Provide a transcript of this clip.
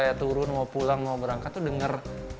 saya turun mau pulang mau berangkat tuh denger